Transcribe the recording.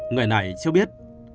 người này cho biết